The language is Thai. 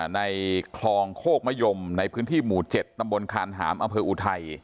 ในคลองโคกมะยมในพื้นที่หมู่๗ตำบลคานหามอำเภออุทัย